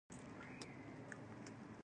بدرنګه ذهن ښه نیت له منځه وړي